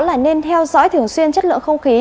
là nên theo dõi thường xuyên chất lượng không khí